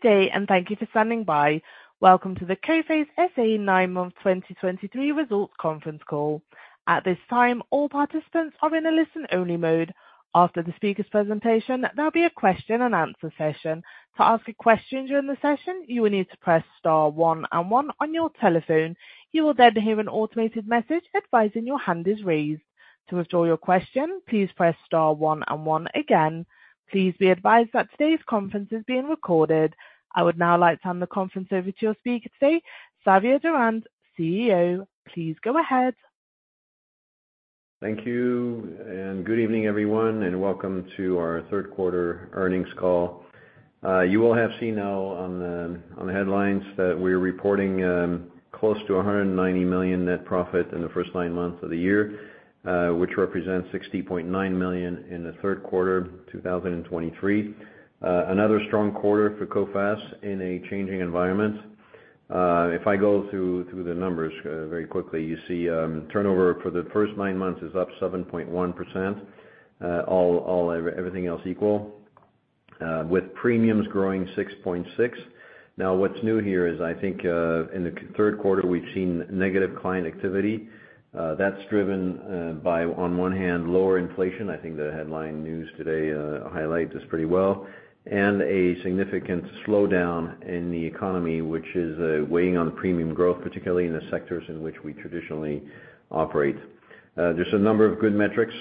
Good day, and thank you for standing by. Welcome to the Coface SA 9-month 2023 results conference call. At this time, all participants are in a listen-only mode. After the speaker's presentation, there'll be a question-and-answer session. To ask a question during the session, you will need to press star one and one on your telephone. You will then hear an automated message advising your hand is raised. To withdraw your question, please press star one and one again. Please be advised that today's conference is being recorded. I would now like to hand the conference over to your speaker today, Xavier Durand, CEO. Please go ahead. Thank you, and good evening, everyone, and welcome to our third quarter earnings call. You will have seen now on the headlines that we're reporting close to 190 million net profit in the first nine months of the year, which represents 60.9 million in the third quarter, 2023. Another strong quarter for Coface in a changing environment. If I go through the numbers very quickly, you see, turnover for the first nine months is up 7.1%, all other things equal, with premiums growing 6.6%. Now, what's new here is, I think, in the third quarter, we've seen negative client activity. That's driven by, on one hand, lower inflation. I think the headline news today, highlights this pretty well, and a significant slowdown in the economy, which is, weighing on the premium growth, particularly in the sectors in which we traditionally operate. There's a number of good metrics,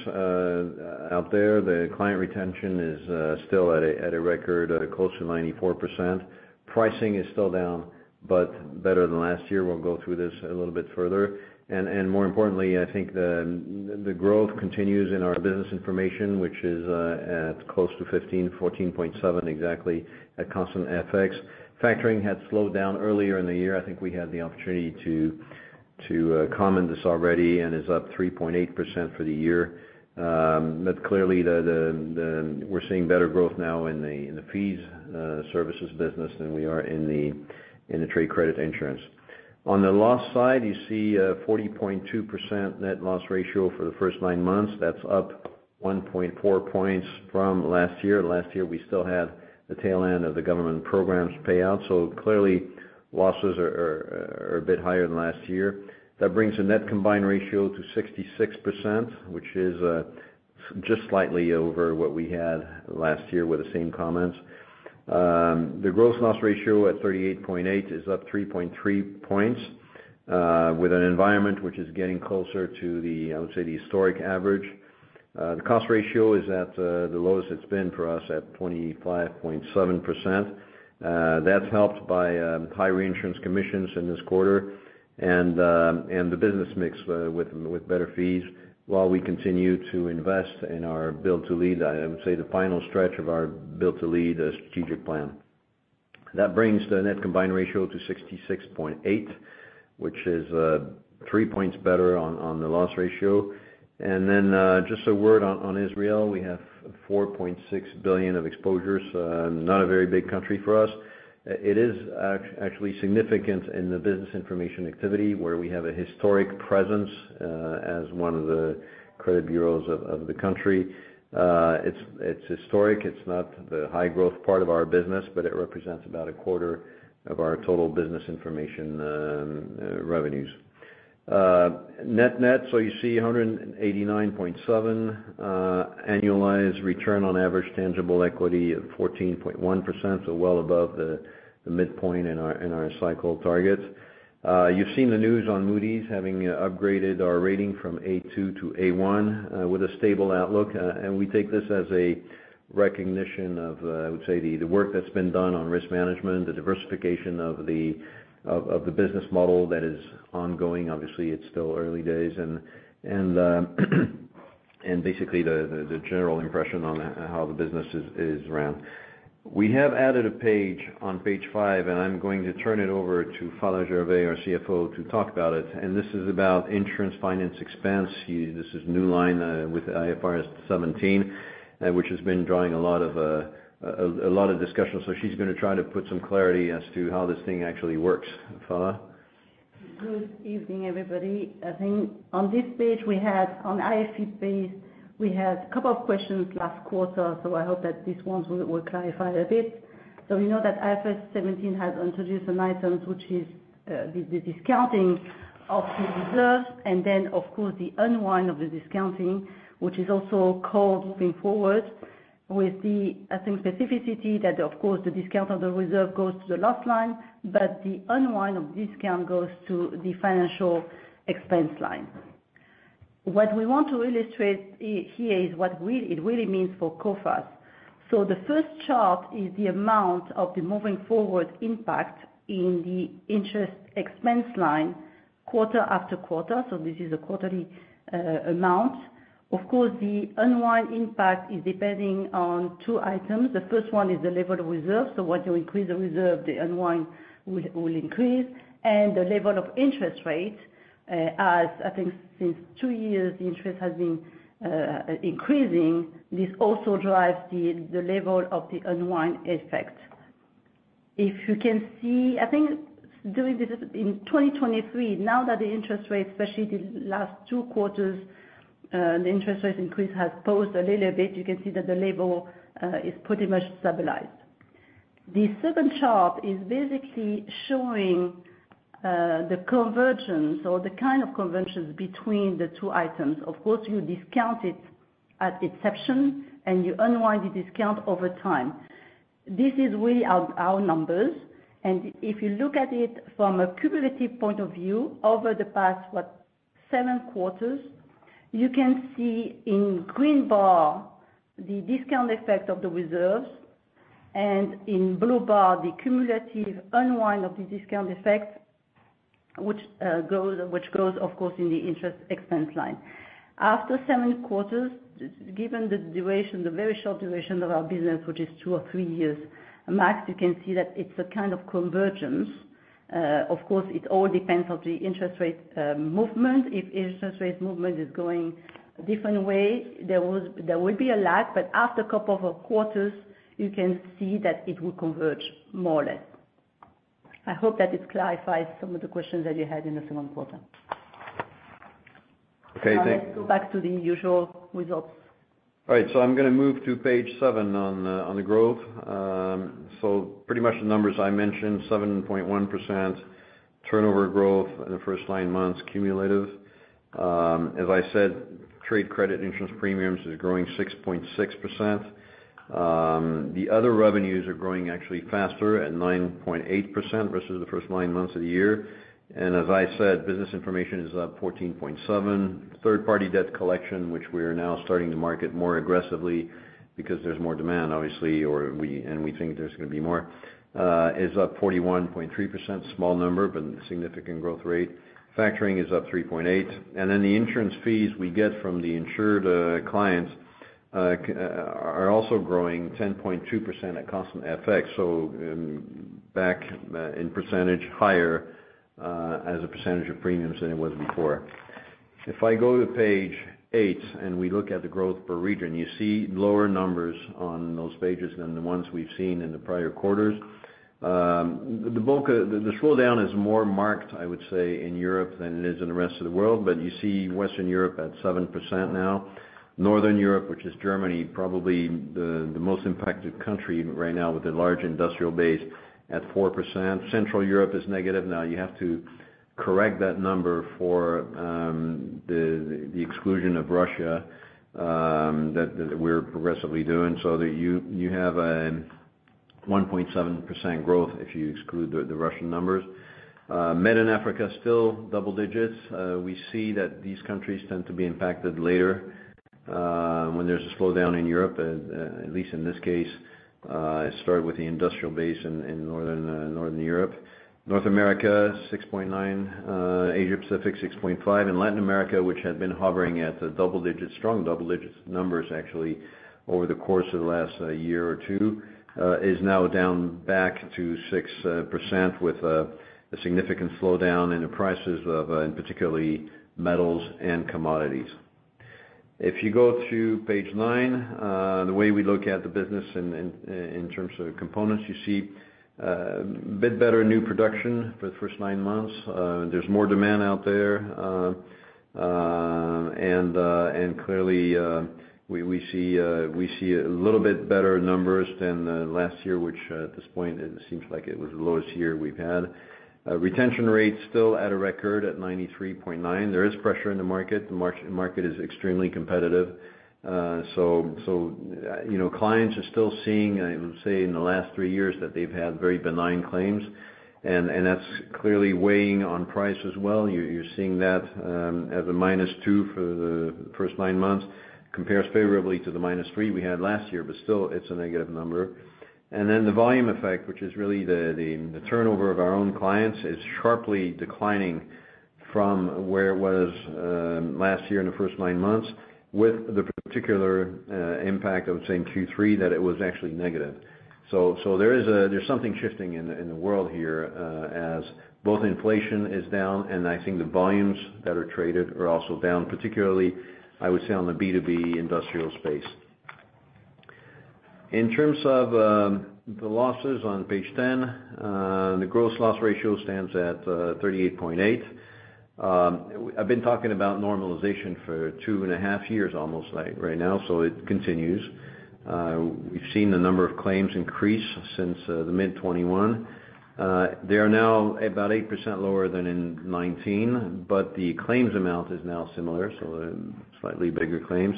out there. The client retention is, still at a, at a record, close to 94%. Pricing is still down, but better than last year. We'll go through this a little bit further. And, and more importantly, I think the, the growth continues in our business information, which is, at close to fifteen, 14.7, exactly, at constant FX. Factoring had slowed down earlier in the year. I think we had the opportunity to, to, comment this already and is up 3.8% for the year. But clearly, we're seeing better growth now in the fees services business than we are in the trade credit insurance. On the loss side, you see a 40.2% net loss ratio for the first nine months. That's up 1.4 points from last year. Last year, we still had the tail end of the government programs payout, so clearly, losses are a bit higher than last year. That brings the net combined ratio to 66%, which is just slightly over what we had last year with the same comments. The gross loss ratio at 38.8 is up 3.3 points with an environment which is getting closer to the historic average. The cost ratio is at the lowest it's been for us, at 25.7%. That's helped by high reinsurance commissions in this quarter and the business mix with better fees, while we continue to invest in our Build to Lead. I would say, the final stretch of our Build to Lead strategic plan. That brings the net combined ratio to 66.8, which is 3 points better on the loss ratio. And then, just a word on Israel. We have 4.6 billion of exposures, not a very big country for us. It is actually significant in the business information activity, where we have a historic presence as one of the credit bureaus of the country. It's historic. It's not the high-growth part of our business, but it represents about a quarter of our total business information revenues. Net-net, so you see 189.7 annualized return on average tangible equity of 14.1%, so well above the midpoint in our cycle targets. You've seen the news on Moody's, having upgraded our rating from A2 to A1 with a stable outlook. And we take this as a recognition of, I would say, the work that's been done on risk management, the diversification of the business model that is ongoing. Obviously, it's still early days, and basically, the general impression on how the business is run. We have added a page on page five, and I'm going to turn it over to Phalla Gervais, our CFO, to talk about it, and this is about insurance finance expense. This is a new line with IFRS 17, which has been drawing a lot of discussion. So she's going to try to put some clarity as to how this thing actually works. Phalla? Good evening, everybody. I think on this page, we had on IFRS page, we had a couple of questions last quarter, so I hope that these ones will clarify a bit. We know that IFRS 17 has introduced an item which is the discounting of the reserve, and then, of course, the unwind of the discounting, which is also called moving forward, with the, I think, specificity that, of course, the discount on the reserve goes to the last line, but the unwind of discount goes to the financial expense line. What we want to illustrate here is what really it really means for Coface. So the first chart is the amount of the moving forward impact in the interest expense line, quarter after quarter, so this is a quarterly amount. Of course, the unwind impact is depending on two items. The first one is the level of reserve, so once you increase the reserve, the unwind will increase. And the level of interest rate, as I think since two years, the interest has been increasing. This also drives the level of the unwind effect. If you can see, I think, doing this in 2023, now that the interest rate, especially the last two quarters, the interest rate increase has paused a little bit. You can see that the level is pretty much stabilized. The second chart is basically showing the convergence or the kind of convergence between the two items. Of course, you discount it at inception, and you unwind the discount over time. This is really our numbers, and if you look at it from a cumulative point of view, over the past, what, 7 quarters, you can see in green bar, the discount effect of the reserves, and in blue bar, the cumulative unwind of the discount effect, which goes, of course, in the interest expense line. After 7 quarters, given the duration, the very short duration of our business, which is 2 or 3 years max, you can see that it's a kind of convergence. Of course, it all depends on the interest rate movement. If interest rate movement is going a different way, there will be a lag, but after a couple of quarters, you can see that it will converge more or less. I hope that it clarifies some of the questions that you had in the second quarter. Okay, thank- Now let's go back to the usual results. All right, so I'm gonna move to page 7 on the, on the growth. So pretty much the numbers I mentioned, 7.1% turnover growth in the first 9 months cumulative. As I said, trade credit and insurance premiums is growing 6.6%. The other revenues are growing actually faster at 9.8% versus the first 9 months of the year. And as I said, business information is up 14.7%. Third-party debt collection, which we are now starting to market more aggressively because there's more demand, obviously, and we think there's gonna be more, is up 41.3%. Small number, but significant growth rate. Factoring is up 3.8, and then the insurance fees we get from the insured clients are also growing 10.2% at constant FX. So, back in percentage, higher as a percentage of premiums than it was before. If I go to page 8, and we look at the growth per region, you see lower numbers on those pages than the ones we've seen in the prior quarters. The bulk of the slowdown is more marked, I would say, in Europe than it is in the rest of the world. But you see Western Europe at 7% now. Northern Europe, which is Germany, probably the most impacted country right now with a large industrial base, at 4%. Central Europe is negative. Now, you have to correct that number for the exclusion of Russia that we're progressively doing, so that you have a 1.7% growth if you exclude the Russian numbers. Middle East and Africa, still double digits. We see that these countries tend to be impacted later when there's a slowdown in Europe, at least in this case, it started with the industrial base in Northern Europe. North America, 6.9, Asia Pacific, 6.5. And Latin America, which had been hovering at the double digits, strong double-digit numbers, actually, over the course of the last year or two, is now down back to 6% with a significant slowdown in the prices of in particularly metals and commodities. If you go to page 9, the way we look at the business in terms of components, you see a bit better new production for the first 9 months. There's more demand out there, and clearly we see a little bit better numbers than last year, which at this point it seems like it was the lowest year we've had. Retention rates still at a record at 93.9%. There is pressure in the market. The market is extremely competitive. So you know, clients are still seeing, I would say, in the last 3 years, that they've had very benign claims, and that's clearly weighing on price as well. You're seeing that as a -2 for the first nine months, compares favorably to the -3 we had last year, but still it's a negative number. And then the volume effect, which is really the turnover of our own clients, is sharply declining from where it was last year in the first nine months, with the particular impact of, saying, Q3, that it was actually negative. So there is a- there's something shifting in the world here, as both inflation is down, and I think the volumes that are traded are also down, particularly, I would say, on the B2B industrial space. In terms of the losses on page 10, the gross loss ratio stands at 38.8. I've been talking about normalization for 2.5 years, almost like right now, so it continues. We've seen the number of claims increase since the mid-2021. They are now about 8% lower than in 2019, but the claims amount is now similar, so slightly bigger claims.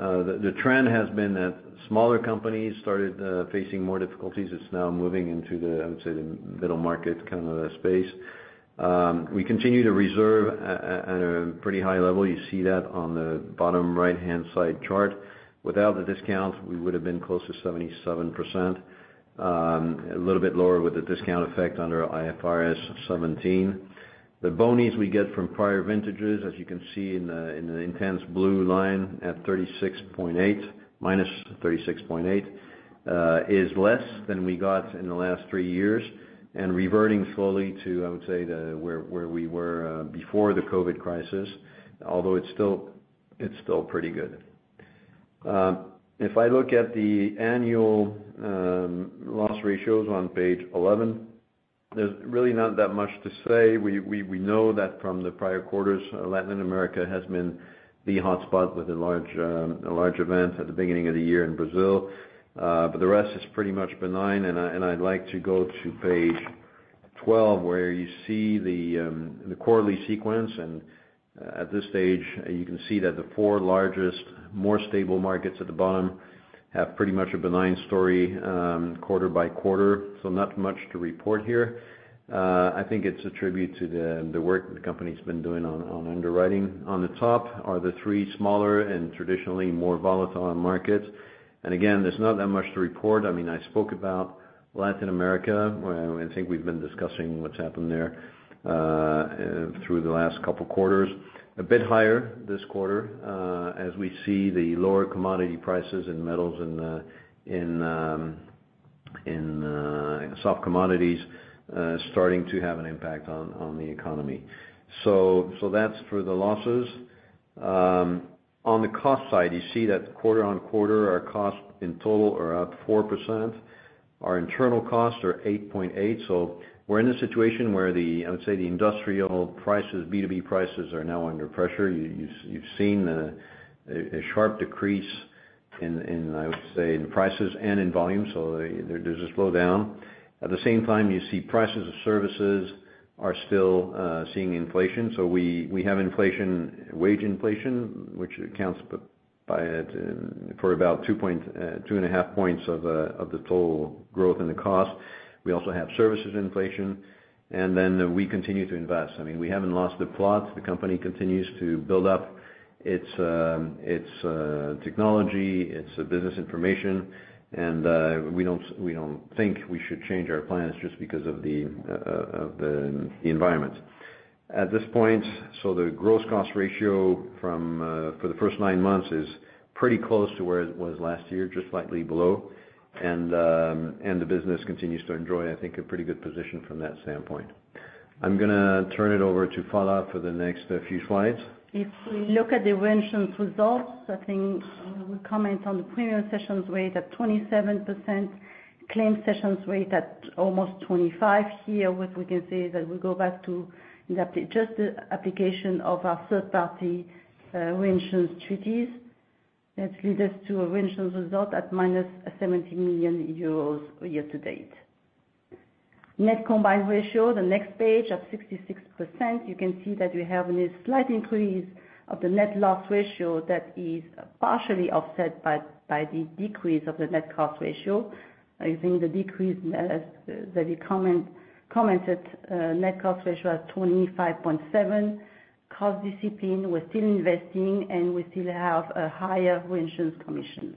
The trend has been that smaller companies started facing more difficulties. It's now moving into the middle market, I would say, kind of, space. We continue to reserve at a pretty high level. You see that on the bottom right-hand side chart. Without the discount, we would have been close to 77%, a little bit lower with the discount effect under IFRS 17. The bonuses we get from prior vintages, as you can see in the intense blue line at 36.8, minus 36.8, is less than we got in the last 3 years, and reverting slowly to, I would say, where we were before the COVID crisis, although it's still pretty good. If I look at the annual loss ratios on page 11, there's really not that much to say. We know that from the prior quarters, Latin America has been the hotspot with a large event at the beginning of the year in Brazil. But the rest is pretty much benign, and I'd like to go to page 12, where you see the quarterly sequence. At this stage, you can see that the four largest, more stable markets at the bottom have pretty much a benign story quarter by quarter, so not much to report here. I think it's attributable to the work the company's been doing on underwriting. On the top are the three smaller and traditionally more volatile markets. And again, there's not that much to report. I mean, I spoke about Latin America, where I think we've been discussing what's happened there through the last couple quarters. A bit higher this quarter, as we see the lower commodity prices in metals and in soft commodities starting to have an impact on the economy. So that's for the losses. On the cost side, you see that quarter on quarter, our costs in total are up 4%. Our internal costs are 8.8, so we're in a situation where, I would say, the industrial prices, B2B prices, are now under pressure. You've seen a sharp decrease in, I would say, prices and in volume, so there's a slowdown. At the same time, you see prices of services are still seeing inflation. So we have inflation, wage inflation, which accounts for about 2.5 points of the total growth in the cost. We also have services inflation, and then we continue to invest. I mean, we haven't lost the plot. The company continues to build up its technology, its business information, and we don't think we should change our plans just because of the environment. At this point, so the gross cost ratio for the first nine months is pretty close to where it was last year, just slightly below. The business continues to enjoy, I think, a pretty good position from that standpoint. I'm gonna turn it over to Phalla for the next few slides. If we look at the reinsurance results, I think we comment on the premium cession rate at 27%, claims cession rate at almost 25% here, what we can say is that we go back to the adjusted application of our third party reinsurance treaties. That leads us to a reinsurance result at -70 million euros year to date. Net combined ratio, the next page, at 66%, you can see that we have a slight increase of the net loss ratio that is partially offset by, by the decrease of the net cost ratio. I think the decrease, that you comment, commented, net cost ratio at 25.7%. Cost discipline, we're still investing, and we still have a higher reinsurance commission.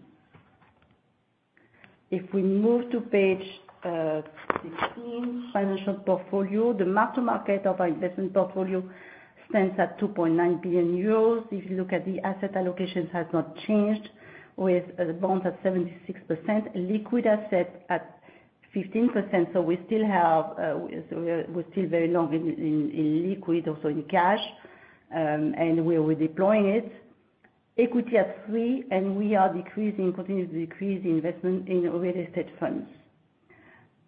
If we move to page 15, financial portfolio, the mark to market of our investment portfolio stands at 2.9 billion euros. If you look at the asset allocations has not changed, with bonds at 76%, liquid asset at 15%, so we still have, so we're still very long in liquid, also in cash, and we're redeploying it. Equity at 3%, and we are decreasing, continuously decreasing investment in real estate funds.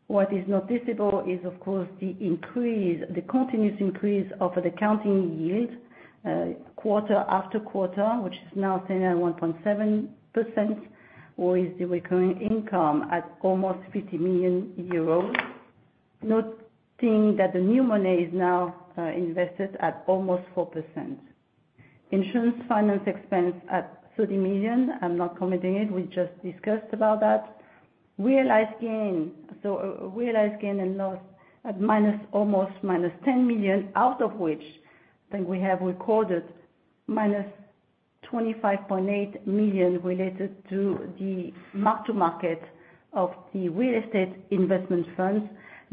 What is noticeable is, of course, the increase, the continuous increase of the accounting yield, quarter after quarter, which is now standing at 1.7%, or is the recurring income at almost 50 million euros. Noting that the new money is now invested at almost 4%. Insurance finance expense at 30 million, I'm not commenting it. We just discussed about that. Realized gain, so realized gain and loss at -10 million, out of which, I think we have recorded -25.8 million related to the mark to market of the real estate investment funds.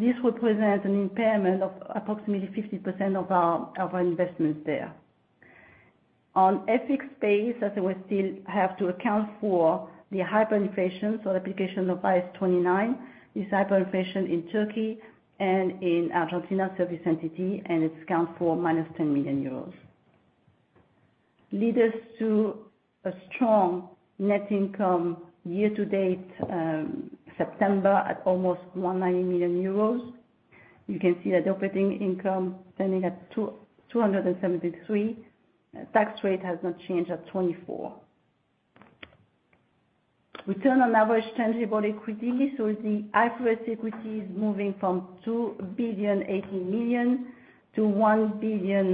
This represents an impairment of approximately 50% of our investment there. On equity base, as we still have to account for the hyperinflation, so application of IAS 29, this hyperinflation in Turkey and in Argentina service entity, and it accounts for -10 million euros. Lead us to a strong net income year to date, September, at almost 190 million euros. You can see that operating income standing at 273. Tax rate has not changed at 24%. Return on average tangible equity, so the average equity is moving from 2.08 billion to 1.984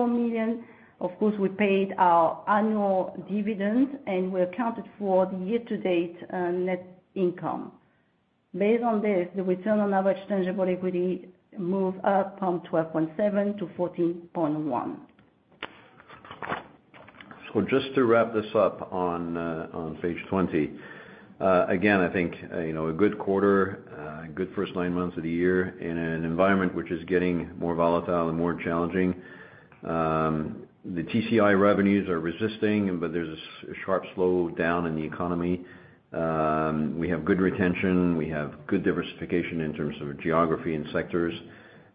billion. Of course, we paid our annual dividend, and we accounted for the year to date, net income. Based on this, the return on average tangible equity moved up from 12.7% to 14.1%. So just to wrap this up on page 20. Again, I think, you know, a good quarter, a good first nine months of the year in an environment which is getting more volatile and more challenging. The TCI revenues are resisting, but there's a sharp slowdown in the economy. We have good retention. We have good diversification in terms of geography and sectors.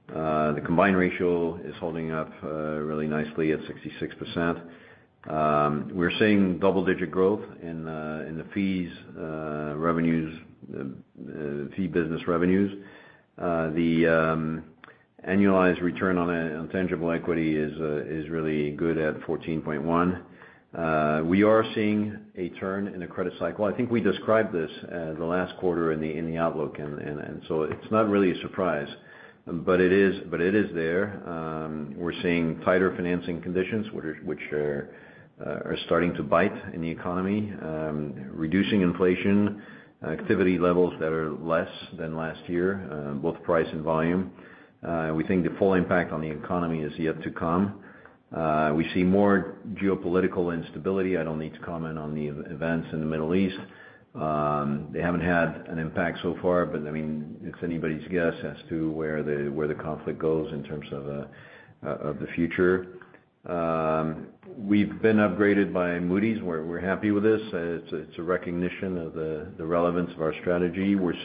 The combined ratio is holding up really nicely at 66%. We're seeing double-digit growth in the fees revenues, fee business revenues. The annualized return on tangible equity is really good at 14.1. We are seeing a turn in the credit cycle. I think we described this, the last quarter in the outlook, and so it's not really a surprise, but it is there. We're seeing tighter financing conditions, which are starting to bite in the economy, reducing inflation, activity levels that are less than last year, both price and volume. We think the full impact on the economy is yet to come. We see more geopolitical instability. I don't need to comment on the events in the Middle East. They haven't had an impact so far, but I mean, it's anybody's guess as to where the conflict goes in terms of the future. We've been upgraded by Moody's. We're happy with this. It's a recognition of the relevance of our strategy. We're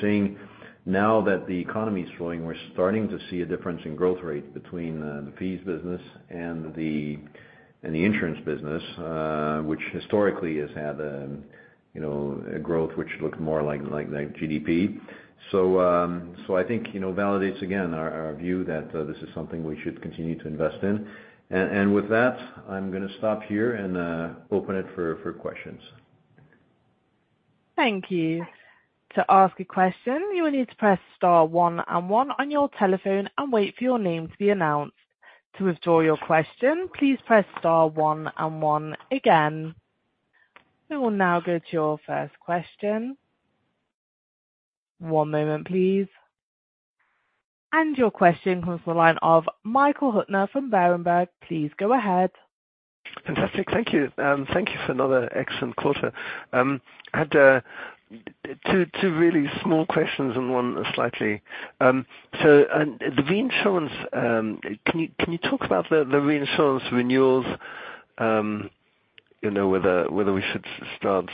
seeing now that the economy is slowing, we're starting to see a difference in growth rates between the fees business and the insurance business, which historically has had, you know, a growth which looked more like GDP. So, I think, you know, validates again our view that this is something we should continue to invest in. And with that, I'm gonna stop here and open it for questions. Thank you. To ask a question, you will need to press star one and one on your telephone and wait for your name to be announced. To withdraw your question, please press star one and one again. We will now go to your first question. One moment, please. Your question comes from the line of Michael Huttner from Berenberg. Please go ahead. Fantastic. Thank you. Thank you for another excellent quarter. I had two really small questions and one slightly. And the reinsurance, can you talk about the reinsurance renewals, you know, whether we should start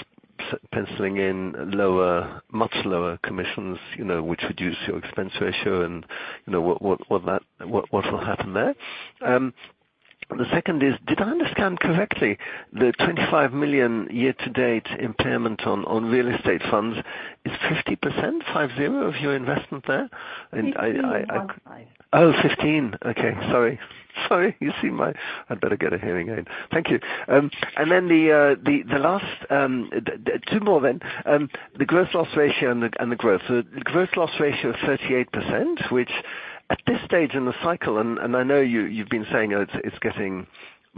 penciling in lower, much lower commissions, you know, which reduce your expense ratio, and, you know, what will happen there? The second is, did I understand correctly, the 25 million year-to-date impairment on real estate funds is 50%, five zero, of your investment there? And I, I- 15.5. Oh, fifteen. Okay, sorry. Sorry, you see my... I'd better get a hearing aid. Thank you. And then the last two more then. The gross loss ratio and the growth. So the gross loss ratio of 38%, which at this stage in the cycle, and I know you've been saying it's getting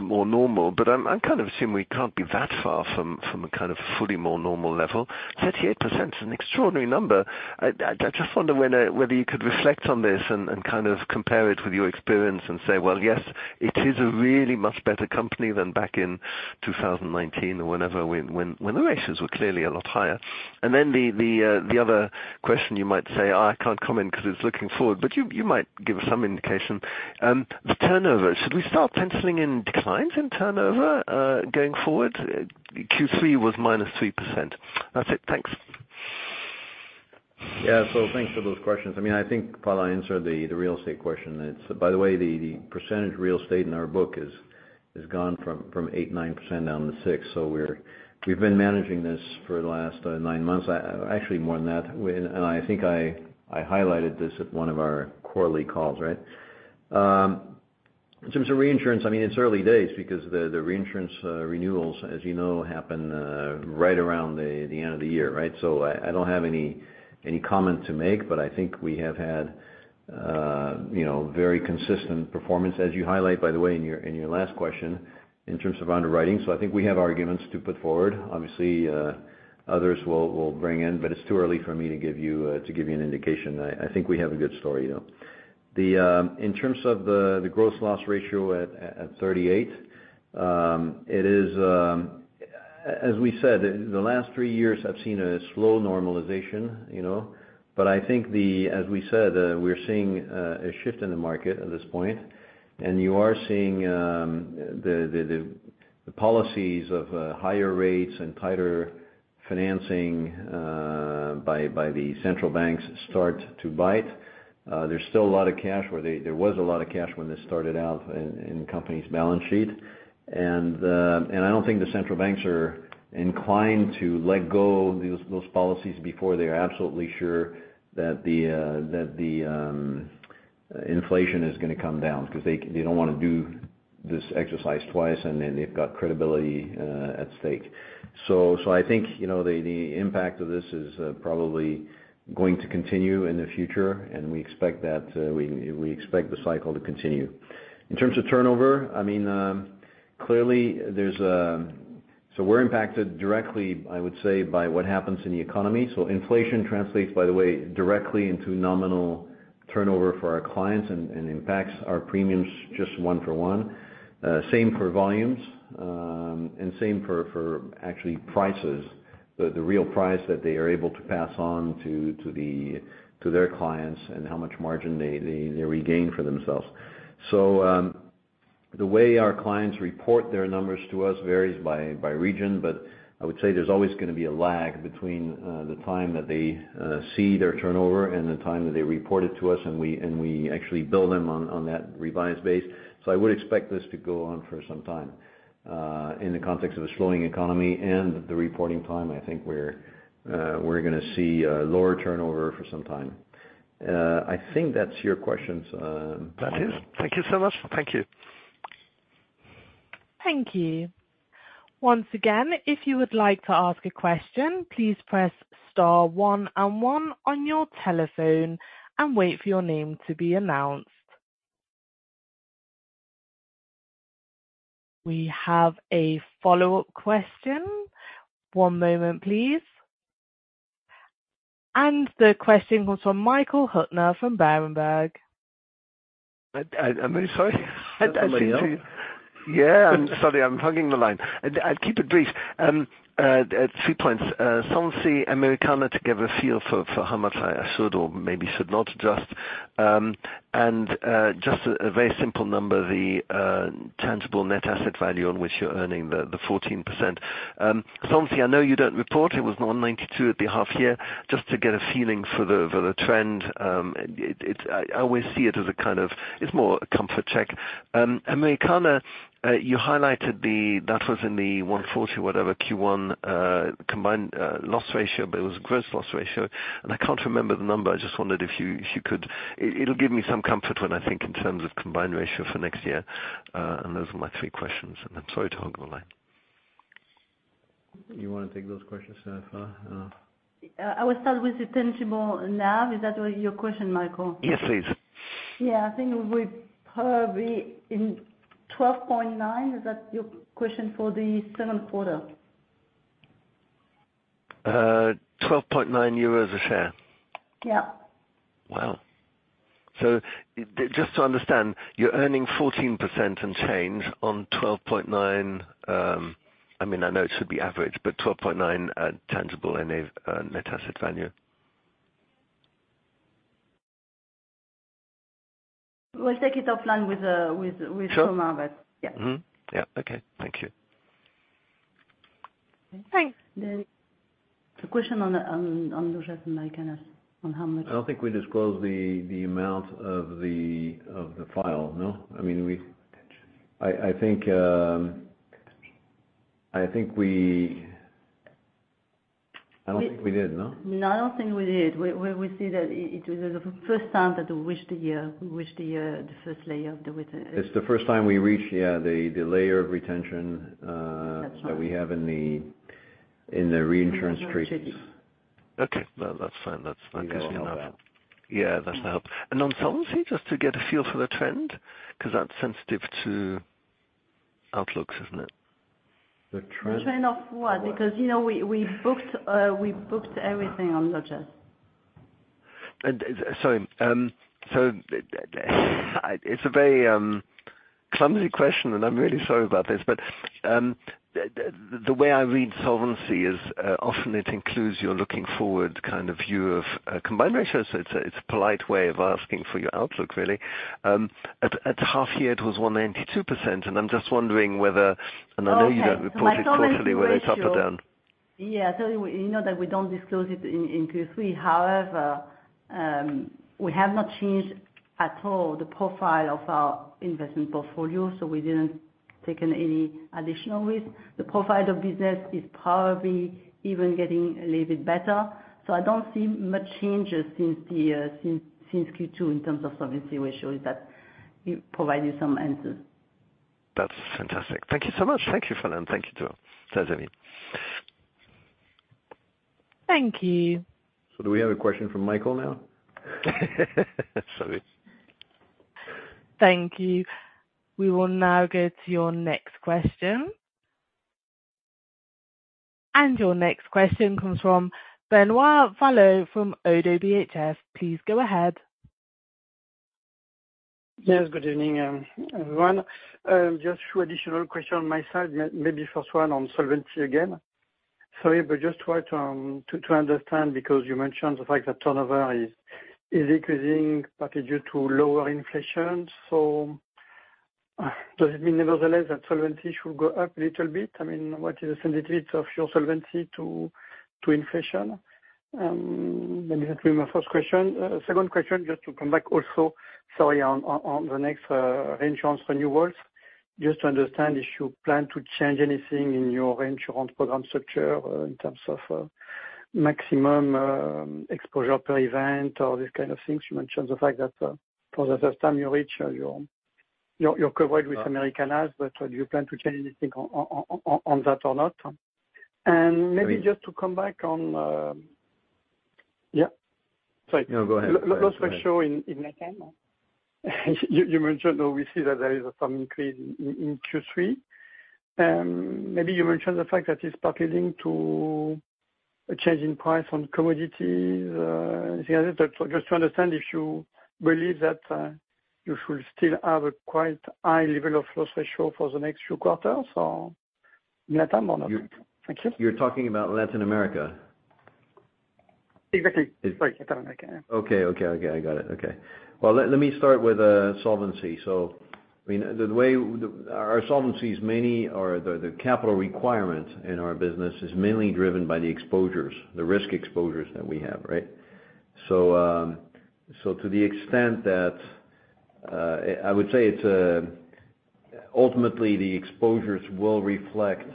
more normal, but I kind of assume we can't be that far from a kind of fully more normal level. 38% is an extraordinary number. I just wonder whether you could reflect on this and kind of compare it with your experience and say, well, yes, it is a really much better company than back in 2019 or whenever, when the ratios were clearly a lot higher. And then the other question you might say, I can't comment because it's looking forward, but you might give us some indication. The turnover, should we start penciling in declines in turnover going forward? Q3 was -3%. That's it. Thanks. Yeah, so thanks for those questions. I mean, I think Phalla answered the real estate question. It's, by the way, the percentage real estate in our book is gone from 8-9% down to 6%. So we're- we've been managing this for the last 9 months. Actually more than that, and I think I highlighted this at one of our quarterly calls, right? In terms of reinsurance, I mean, it's early days because the reinsurance renewals, as you know, happen right around the end of the year, right? So I don't have any comment to make, but I think we have had, you know, very consistent performance, as you highlight, by the way, in your last question, in terms of underwriting. So I think we have arguments to put forward. Obviously, others will bring in, but it's too early for me to give you an indication. I think we have a good story, though. In terms of the Gross Loss Ratio at 38%, it is, as we said, the last three years have seen a slow normalization, you know? But I think the... as we said, we're seeing a shift in the market at this point, and you are seeing the policies of higher rates and tighter financing by the central banks start to bite. There's still a lot of cash where they-- there was a lot of cash when this started out in company's balance sheet. I don't think the central banks are inclined to let go those policies before they are absolutely sure that the inflation is gonna come down, because they don't wanna do this exercise twice, and then they've got credibility at stake. So I think, you know, the impact of this is probably going to continue in the future, and we expect that, we expect the cycle to continue. In terms of turnover, I mean, clearly, so we're impacted directly, I would say, by what happens in the economy. So inflation translates, by the way, directly into nominal turnover for our clients and impacts our premiums just one for one. Same for volumes, and same for actually prices, the real price that they are able to pass on to their clients and how much margin they regain for themselves. So, the way our clients report their numbers to us varies by region, but I would say there's always going to be a lag between the time that they see their turnover and the time that they report it to us, and we actually bill them on that revised base. So I would expect this to go on for some time. In the context of a slowing economy and the reporting time, I think we're going to see lower turnover for some time. I think that's your questions. That is. Thank you so much. Thank you. Thank you. Once again, if you would like to ask a question, please press star one and one on your telephone and wait for your name to be announced. We have a follow-up question. One moment, please. The question comes from Michael Huttner from Berenberg. I'm very sorry. I'd like to- Hello. Yeah, I'm sorry. I'm hogging the line. I'd keep it brief. Three points, Solvency, Americanas, to get a feel for how much I should or maybe should not adjust. And just a very simple number, the tangible net asset value on which you're earning the 14%. Solvency, I know you don't report. It was 192 at the half year. Just to get a feeling for the trend, it's—I always see it as a kind of... It's more a comfort check. Americanas, you highlighted the, that was in the 140-whatever Q1 combined loss ratio, but it was gross loss ratio, and I can't remember the number. I just wondered if you could... It, it'll give me some comfort when I think in terms of combined ratio for next year. And those are my three questions, and I'm sorry to hog the line. You want to take those questions, Phalla? I will start with the tangible NAV. Is that what your question, Michael? Yes, please. Yeah, I think we probably in 12.9. Is that your question for the seventh quarter? 12.9 euros a share? Yeah. Wow! So just to understand, you're earning 14% and change on 12.9, I mean, I know it should be average, but 12.9 at tangible and a net asset value. We'll take it offline with- Sure. Thomas, yeah. Mm-hmm. Yeah. Okay. Thank you. Thanks. The question on Americanas, on how much- I don't think we disclosed the amount of the file, no? I mean, we—I think we... I don't think we did, no? No, I don't think we did. We see that it was the first time that we reached the year, the first layer of the year. It's the first time we reached, yeah, the, the layer of retention. That's right... that we have in the reinsurance treaty. Okay. Well, that's fine. That's, that's enough. We will help out. Yeah, that's a help. And on Solvency, just to get a feel for the trend, because that's sensitive to outlooks, isn't it? The trend- The trend of what? Because, you know, we booked everything on Lojas. Sorry. So, it's a very clumsy question, and I'm really sorry about this, but, the, the, the way I read Solvency is, often it includes you're looking forward kind of view of combined ratio. So it's a, it's a polite way of asking for your outlook, really. At, at half year, it was 192%, and I'm just wondering whether, and I know you don't report it quarterly, whether it's up or down. Yeah, so you know that we don't disclose it in Q3. However, we have not changed at all the profile of our investment portfolio, so we didn't taken any additional risk. The profile of business is probably even getting a little bit better, so I don't see much changes since Q2 in terms of Solvency ratio. Is that we provided some answers. That's fantastic. Thank you so much. Thank you, Phalla, thank you to Xavier. Thank you. Do we have a question from Michael now? Sorry. Thank you. We will now go to your next question. Your next question comes from Benoit Valleaux from ODDO BHF. Please go ahead. Yes, good evening, everyone. Just two additional questions on my side, maybe first one on Solvency again. Sorry, but just try to understand, because you mentioned the fact that turnover is increasing, but due to lower inflation. So, does it mean nevertheless, that Solvency should go up a little bit? I mean, what is the sensitivity of your Solvency to inflation? Maybe that'll be my first question. Second question, just to come back also, sorry, on the next insurance renewals. Just to understand if you plan to change anything in your insurance program structure in terms of maximum exposure per event or these kind of things. You mentioned the fact that for the first time, you reach your coverage with Americanas, but do you plan to change anything on that or not? And maybe just to come back on... Yeah. Sorry. No, go ahead. Loss ratio in Latin America. You mentioned, though, we see that there is some increase in Q3. Maybe you mentioned the fact that it's partly leading to a change in price on commodities, just to understand if you believe that you should still have a quite high level of loss ratio for the next few quarters or in Latin America or not? Thank you. You're talking about Latin America? Exactly. Sorry, keep going again. Okay, okay, okay, I got it. Okay. Well, let me start with solvency. So, I mean, the way our solvency is mainly, or the capital requirements in our business is mainly driven by the exposures, the risk exposures that we have, right? So, to the extent that, I would say it's ultimately the exposures will reflect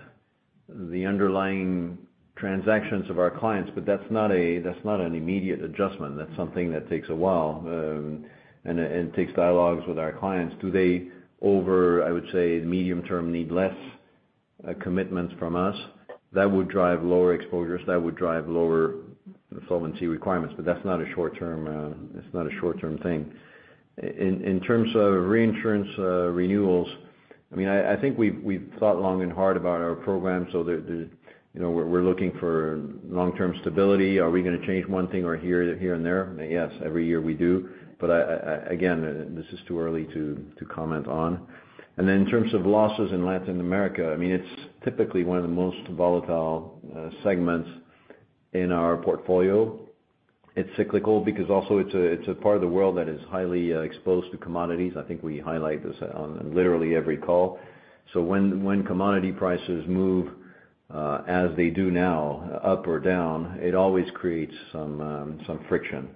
the underlying transactions of our clients, but that's not that's not an immediate adjustment. That's something that takes a while, and takes dialogues with our clients. Do they over, I would say, medium term, need less commitments from us? That would drive lower exposures, that would drive lower solvency requirements, but that's not a short-term, that's not a short-term thing. In terms of reinsurance renewals, I mean, I think we've thought long and hard about our program, so the, you know, we're looking for long-term stability. Are we gonna change one thing or here and there? Yes, every year we do. But I again, this is too early to comment on. And then in terms of losses in Latin America, I mean, it's typically one of the most volatile segments in our portfolio. It's cyclical because also it's a part of the world that is highly exposed to commodities. I think we highlight this on literally every call. So when commodity prices move as they do now, up or down, it always creates some friction.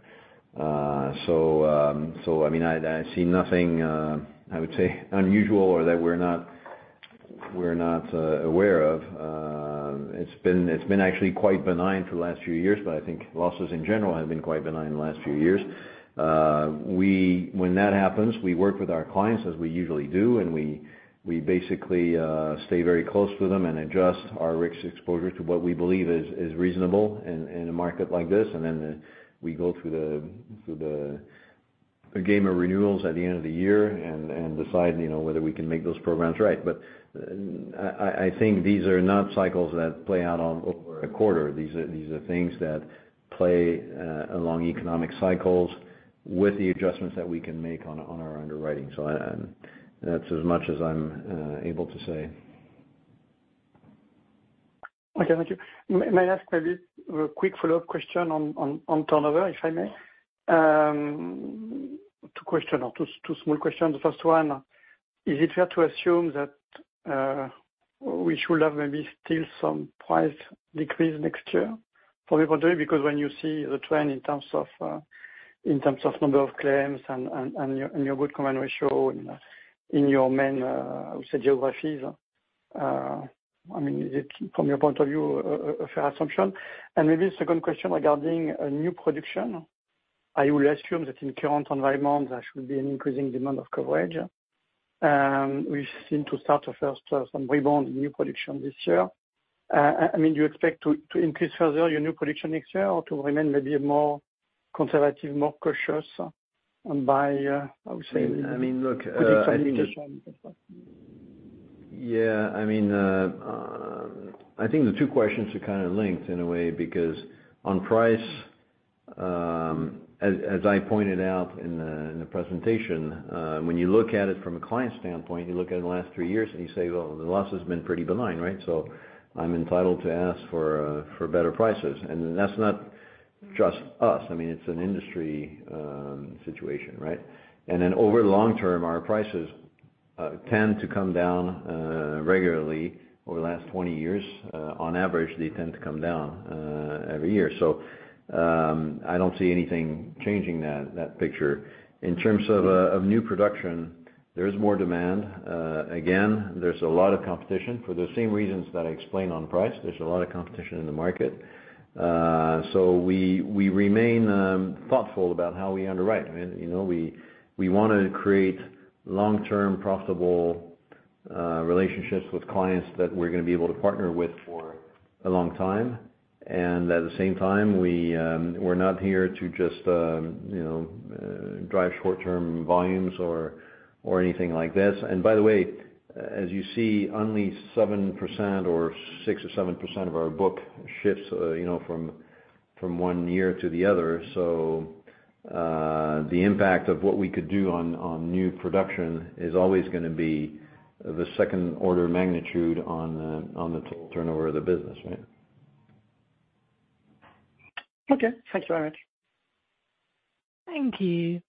So, I mean, I see nothing I would say unusual or that we're not, we're not, aware of. It's been actually quite benign for the last few years, but I think losses in general have been quite benign in the last few years. When that happens, we work with our clients as we usually do, and we basically stay very close with them and adjust our risk exposure to what we believe is reasonable in a market like this. And then we go through the game of renewals at the end of the year and decide, you know, whether we can make those programs right. But, I think these are not cycles that play out over a quarter. These are things that play along economic cycles with the adjustments that we can make on our underwriting. So, that's as much as I'm able to say. Okay, thank you. May I ask maybe a quick follow-up question on, on, on turnover, if I may? Two question or two, two small questions. The first one, is it fair to assume that, we should have maybe still some price decrease next year for everybody? Because when you see the trend in terms of, in terms of number of claims and, and your good combined ratio, and in your main, say, geographies, I mean, is it from your point of view, a fair assumption? And maybe the second question regarding a new production, I will assume that in current environment, there should be an increasing demand of coverage. We seem to start to first some rebound in new production this year. I mean, do you expect to increase further your new production next year or to remain maybe more conservative, more cautious by, I would say- I mean, look, I think it's- Production? Yeah, I mean, I think the two questions are kind of linked in a way, because on price, as I pointed out in the presentation, when you look at it from a client standpoint, you look at the last three years and you say, "Well, the loss has been pretty benign, right? So I'm entitled to ask for better prices." And that's not just us, I mean, it's an industry situation, right? And then over long term, our prices tend to come down regularly over the last 20 years. On average, they tend to come down every year. So, I don't see anything changing that picture. In terms of new production, there is more demand. Again, there's a lot of competition. For the same reasons that I explained on price, there's a lot of competition in the market. So we remain thoughtful about how we underwrite. I mean, you know, we want to create long-term, profitable relationships with clients that we're gonna be able to partner with for a long time. And at the same time, we're not here to just, you know, drive short-term volumes or anything like this. And by the way, as you see, only 7% or 6% or 7% of our book shifts, you know, from one year to the other. So the impact of what we could do on new production is always gonna be the second order of magnitude on the turnover of the business, right? Okay. Thanks very much. Thank you.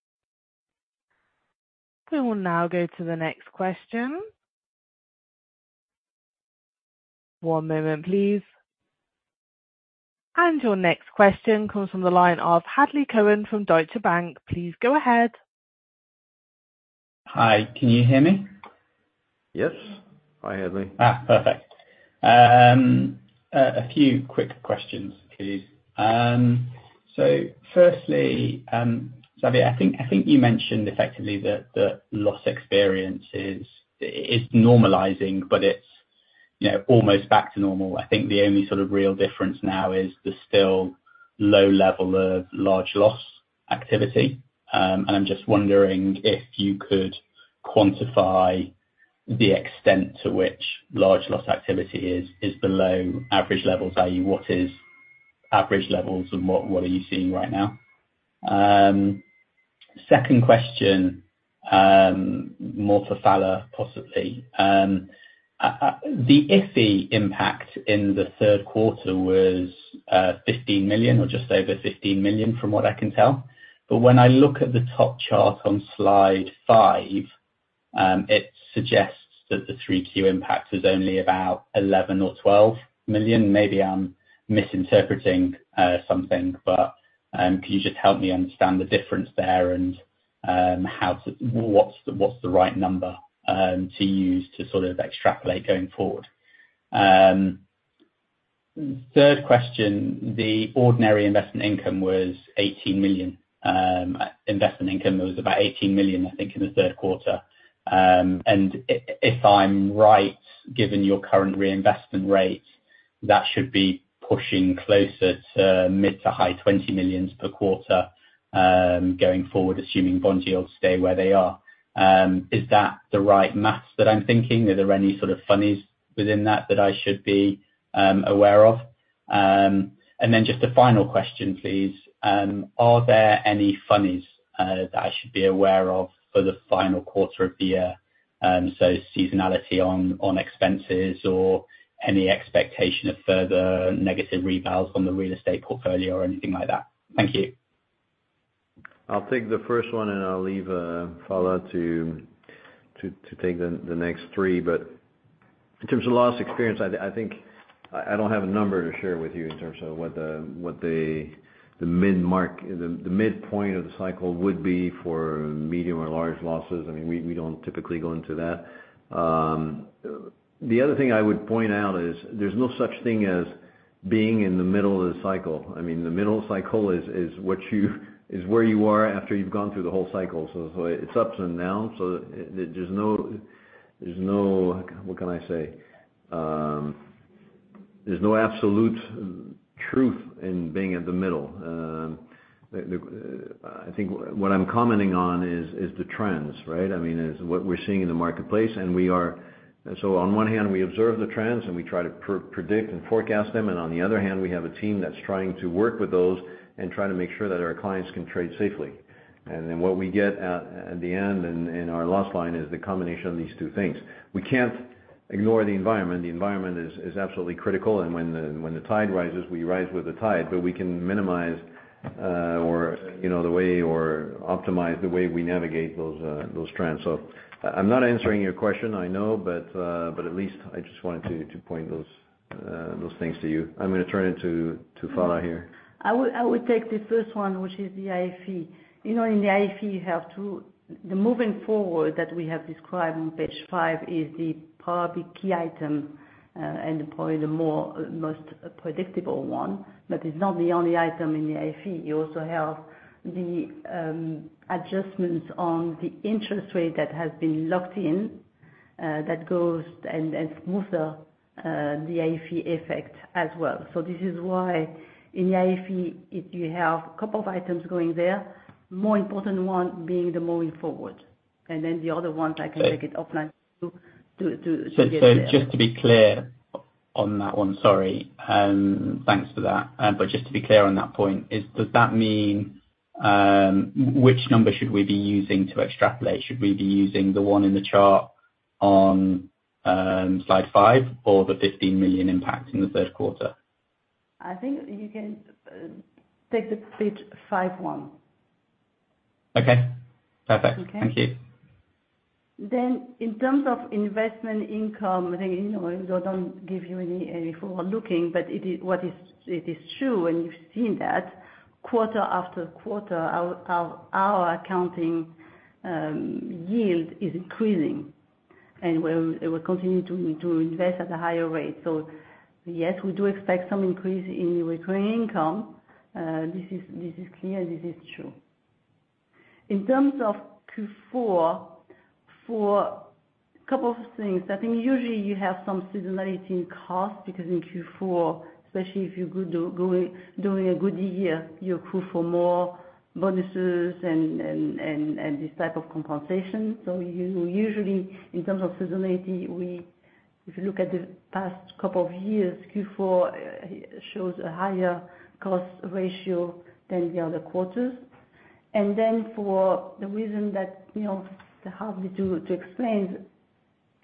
We will now go to the next question. One moment, please. Your next question comes from the line of Hadley Cohen from Deutsche Bank. Please go ahead. Hi, can you hear me? Yes. Hi, Hadley. Ah, perfect. A few quick questions, please. So firstly, Xavier, I think you mentioned effectively that the loss experience is normalizing, but it's, you know, almost back to normal. I think the only sort of real difference now is the still low level of large loss activity. And I'm just wondering if you could quantify the extent to which large loss activity is below average levels? i.e., what is average levels and what are you seeing right now? Second question, more for Phalla, possibly. The IFE impact in the third quarter was 15 million or just over 15 million, from what I can tell. But when I look at the top chart on slide 5, it suggests that the 3Q impact is only about 11 or 12 million. Maybe I'm misinterpreting something, but can you just help me understand the difference there? And how to—what's the, what's the right number to use to sort of extrapolate going forward? Third question, the ordinary investment income was 18 million. Investment income was about 18 million, I think, in the third quarter. And if I'm right, given your current reinvestment rates, that should be pushing closer to mid- to high 20 million per quarter going forward, assuming bond yields stay where they are. Is that the right math that I'm thinking? Are there any sort of funnies within that that I should be aware of? And then just a final question, please, are there any funnies that I should be aware of for the final quarter of the year? Seasonality on expenses or any expectation of further negative revals on the real estate portfolio or anything like that? Thank you. I'll take the first one, and I'll leave Phalla to take the next three. But in terms of loss experience, I think I don't have a number to share with you in terms of what the midpoint of the cycle would be for medium or large losses. I mean, we don't typically go into that. The other thing I would point out is, there's no such thing as being in the middle of the cycle. I mean, the middle cycle is where you are after you've gone through the whole cycle. So it's ups and downs, so there's no... What can I say? There's no absolute truth in being at the middle. I think what I'm commenting on is the trends, right? I mean, is what we're seeing in the marketplace, and we are. So on one hand, we observe the trends, and we try to predict and forecast them, and on the other hand, we have a team that's trying to work with those and try to make sure that our clients can trade safely. And then what we get at the end in our loss line is the combination of these two things. We can't ignore the environment. The environment is absolutely critical, and when the tide rises, we rise with the tide. But we can minimize or, you know, the way or optimize the way we navigate those trends. So I'm not answering your question, I know, but but at least I just wanted to point those things to you. I'm gonna turn it to Phalla here. I would take the first one, which is the IFE. You know, in the IFE, you have to... The moving forward that we have described on page 5 is the probably key item, and probably the most predictable one. But it's not the only item in the IFE. You also have the adjustments on the interest rate that has been locked in, that goes and smooth the IFE effect as well. So this is why in the IFE, if you have a couple of items going there, more important one being the moving forward, and then the other ones I can take it offline to get there. So just to be clear on that one, sorry, thanks for that. But just to be clear on that point, is, does that mean... Which number should we be using to extrapolate? Should we be using the one in the chart on slide 5, or the 15 million impact in the third quarter? I think you can take the page five one. Okay, perfect. Okay? Thank you. Then in terms of investment income, I think, you know, I don't give you any forward-looking, but it is true, and you've seen that quarter after quarter, our accounting yield is increasing, and we're continuing to invest at a higher rate. So yes, we do expect some increase in recurring income. This is clear, and this is true. In terms of Q4, for couple of things, I think usually you have some seasonality costs, because in Q4, especially if you're doing a good year, you're due for more bonuses and this type of compensation. So you usually, in terms of seasonality, if you look at the past couple of years, Q4 shows a higher cost ratio than the other quarters. Then, for the reason that, you know, it's hard to explain,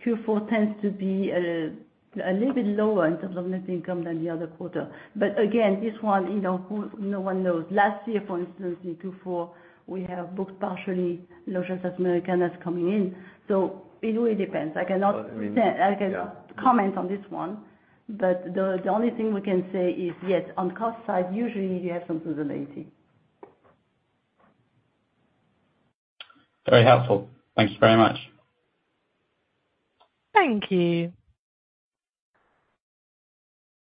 Q4 tends to be a little bit lower in terms of net income than the other quarter. But again, this one, you know, no one knows. Last year, for instance, in Q4, we have booked partially Americanas coming in, so it really depends. I cannot- Uh, yeah. I cannot comment on this one, but the only thing we can say is, yes, on cost side, usually you have some seasonality. Very helpful. Thank you very much. Thank you.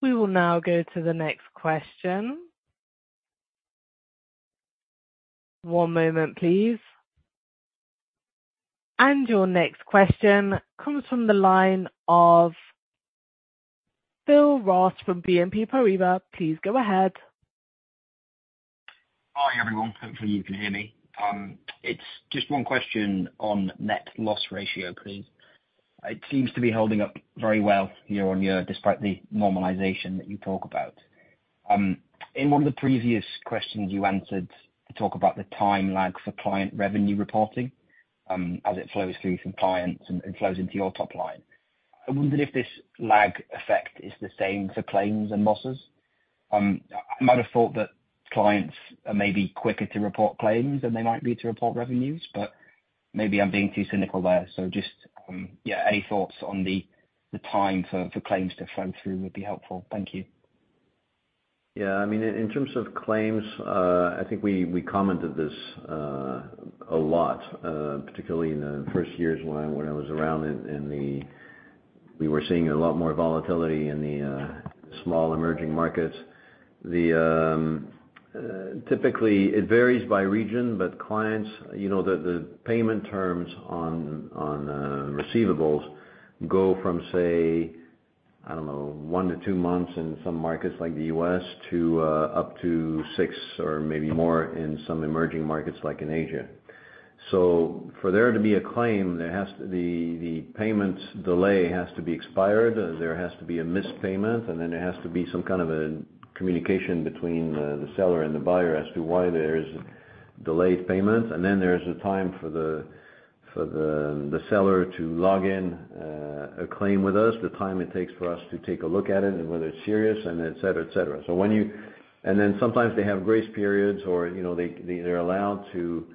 We will now go to the next question. One moment, please. Your next question comes from the line of Phil Ross from BNP Paribas. Please go ahead. Hi, everyone. Hopefully you can hear me. It's just one question on net loss ratio, please. It seems to be holding up very well year on year, despite the normalization that you talk about. In one of the previous questions you answered to talk about the time lag for client revenue reporting, as it flows through from clients and, and flows into your top line. I wondered if this lag effect is the same for claims and losses? I might have thought that clients are maybe quicker to report claims than they might be to report revenues, but maybe I'm being too cynical there. So just, yeah, any thoughts on the, the time for, for claims to flow through would be helpful. Thank you. Yeah, I mean, in terms of claims, I think we commented this a lot, particularly in the first years when I was around, and we were seeing a lot more volatility in the small emerging markets. Typically it varies by region, but clients, you know, the payment terms on receivables go from, say, I don't know, one to two months in some markets like the US to up to six or maybe more in some emerging markets, like in Asia. So for there to be a claim, the payments delay has to be expired, there has to be a missed payment, and then there has to be some kind of a communication between the seller and the buyer as to why there is delayed payment. There's a time for the seller to log in a claim with us, the time it takes for us to take a look at it and whether it's serious, and et cetera, et cetera. And then sometimes they have grace periods or, you know, they're allowed to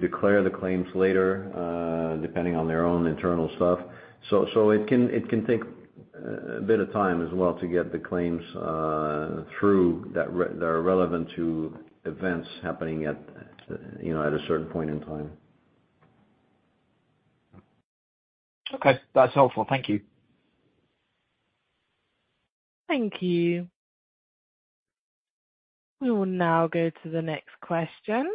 declare the claims later, depending on their own internal stuff. So it can take a bit of time as well to get the claims that are relevant to events happening at, you know, at a certain point in time. Okay. That's helpful. Thank you. Thank you. We will now go to the next question.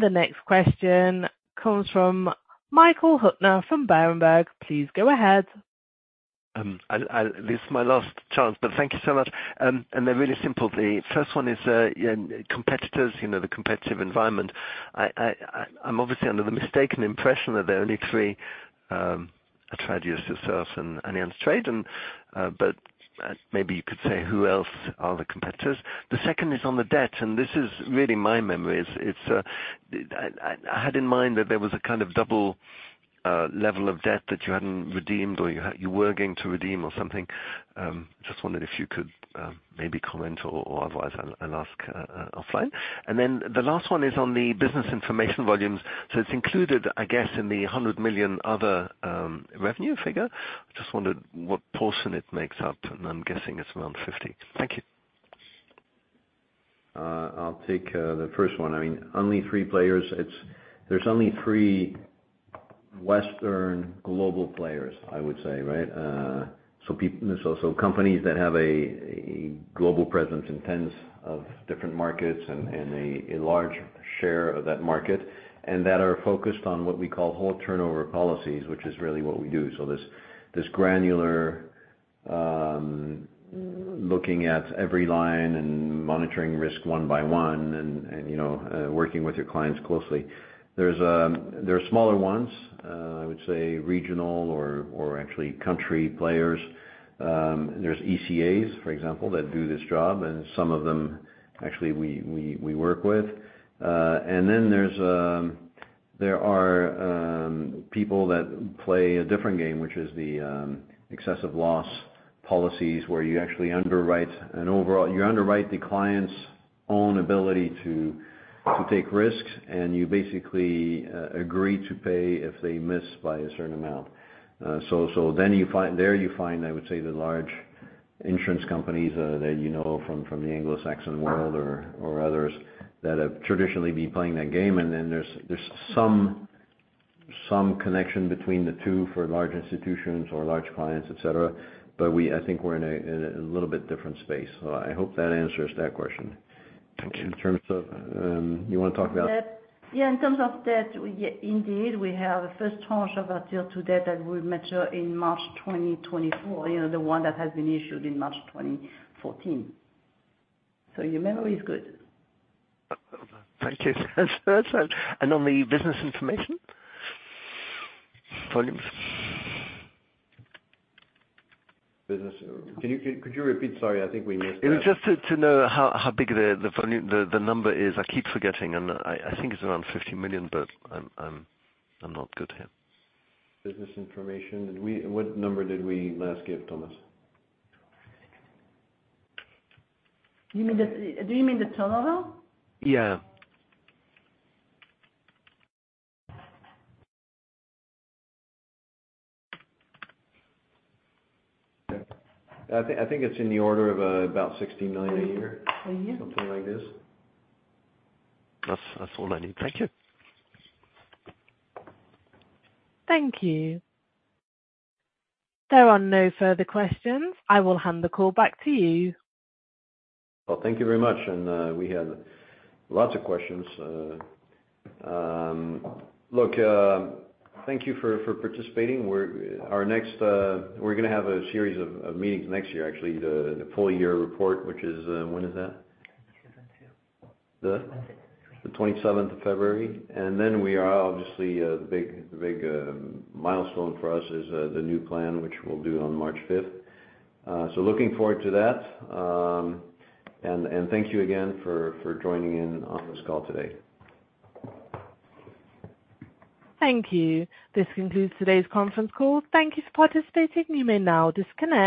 The next question comes from Michael Huttner from Berenberg. Please go ahead. This is my last chance, but thank you so much. And they're really simple. The first one is, yeah, competitors, you know, the competitive environment. I'm obviously under the mistaken impression that there are only three, Atradius, yourself, and Atradius, but maybe you could say, who else are the competitors? The second is on the debt, and this is really my memory. I had in mind that there was a kind of double level of debt that you hadn't redeemed or you were going to redeem or something. Just wondered if you could maybe comment, or otherwise, I'll ask offline. And then the last one is on the business information volumes. So it's included, I guess, in the 100 million other revenue figure. I just wondered what portion it makes up, and I'm guessing it's around 50. Thank you. I'll take the first one. I mean, only three players. It's. There's only three Western global players, I would say, right? So companies that have a global presence in tens of different markets and a large share of that market, and that are focused on what we call whole turnover policies, which is really what we do. So this granular looking at every line and monitoring risk one by one and, you know, working with your clients closely. There are smaller ones, I would say regional or actually country players. There's ECAs, for example, that do this job, and some of them actually, we work with. And then there are people that play a different game, which is the excess loss policies, where you actually underwrite an overall. You underwrite the client's own ability to take risks, and you basically agree to pay if they miss by a certain amount. So then you find there you find, I would say, the large insurance companies that you know from the Anglo-Saxon world or others that have traditionally been playing that game. And then there's some connection between the two for large institutions or large clients, et cetera. But we I think we're in a little bit different space. So I hope that answers that question. Thank you. In terms of, you want to talk about- Yeah, in terms of debt, yeah, indeed, we have a first tranche of our tier two debt that will mature in March 2024. You know, the one that has been issued in March 2014. So your memory is good. Thank you. And on the business information? Volumes. Can you, could you repeat? Sorry, I think we missed that. It was just to know how big the volume, the number is. I keep forgetting, and I think it's around 50 million, but I'm not good here. Business information. Did we-- What number did we last give, Thomas? You mean the... Do you mean the turnover? Yeah. Yeah. I think it's in the order of about 16 million a year. A year. Something like this. That's all I need. Thank you. Thank you. There are no further questions. I will hand the call back to you. Well, thank you very much. We had lots of questions. Look, thank you for participating. We're— Our next. We're gonna have a series of meetings next year, actually, the full year report, which is, when is that? February twenty-seventh. The? Twenty seventh. The twenty-seventh of February. And then we are obviously the big milestone for us is the new plan, which we'll do on March fifth. So looking forward to that. And thank you again for joining in on this call today. Thank you. This concludes today's conference call. Thank you for participating. You may now disconnect.